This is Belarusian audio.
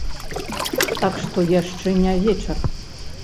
Так што яшчэ не вечар.